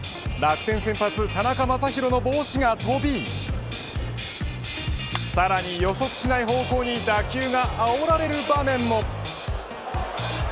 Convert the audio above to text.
楽天先発、田中将大の帽子が飛びさらに予測しない方向に打球があおられる場面も。